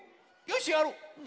よしやろう！